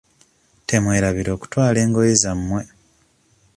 Temwerabira okutwala engoye za mmwe.